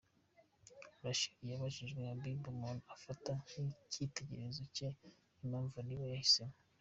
Rachel yabajije Habiba umuntu afata nk’icyitegererezo cye n’impamvu ari we yahisemo.